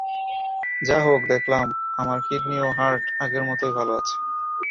যা হোক, দেখলাম আমার কিডনি ও হার্ট আগের মতই ভাল আছে।